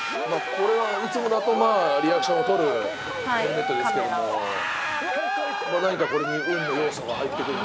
これはいつもだとリアクションを撮るヘルメットですけども何かこれに運の要素が入ってくるんでしょうけど。